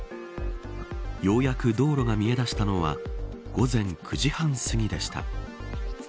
ようやく道路が見え出したのは午前９時半すぎでした。